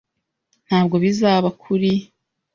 Ntabwo bizaba kuri .